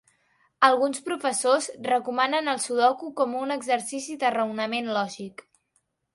Alguns professors recomanen el sudoku com un exercici de raonament lògic.